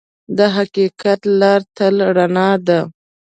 د حقیقت لار تل رڼا ده.